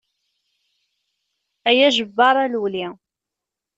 Ay ajebbar a lewli.